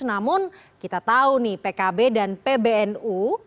namun kita tahu nih pkb dan pbnu